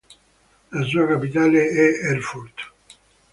La sua capitale è Erfurt.